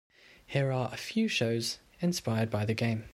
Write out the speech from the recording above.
Here are a few shows inspired by the game.